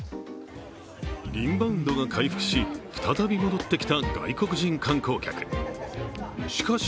インバウンドが回復し、再び戻ってきた外国人観光客、しかし